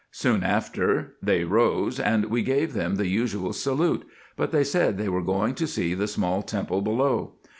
Soon after they rose, and we gave them the usual salute, but they said they were going to see the small temple below.